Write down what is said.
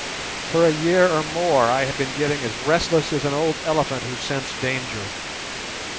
For a year or more I have been getting as restless as an old elephant who scents danger.